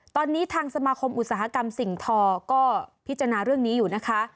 ตอนนี้ทางสมาคมอุตสาหกรรมสิ่งทอก็พิจารณาเรื่องนี้อยู่นะคะ